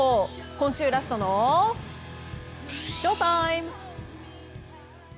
今週ラストのＳＨＯＴＩＭＥ。